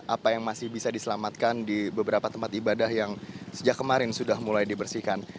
apa yang masih bisa diselamatkan di beberapa tempat ibadah yang sejak kemarin sudah mulai dibersihkan